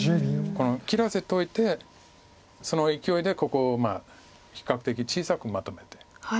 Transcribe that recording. この切らせといてそのいきおいでここを比較的小さくまとめて。